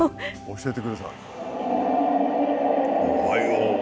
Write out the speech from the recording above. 教えてください。